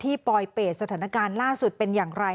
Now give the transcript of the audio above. ปลอยเปรตสถานการณ์ล่าสุดเป็นอย่างไร